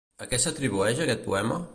A què s'atribueix aquest poema?